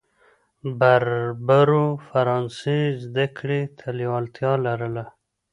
بربرو فرانسې زده کړې ته لېوالتیا لرله.